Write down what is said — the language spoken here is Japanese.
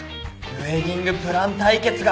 ウエディングプラン対決が。